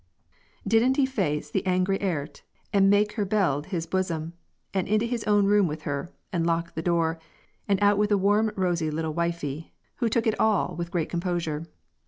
Didn't he face "the angry airt," and make her bield his bosom, and into his own room with her, and lock the door, and out with the warm rosy little wifie, who took it all with great composure!